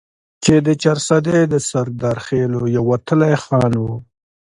چې د چارسدي د سردرخيلو يو وتلے خان وو ،